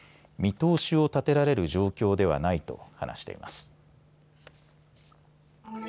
見通しを立てられる状況ではないと話しています。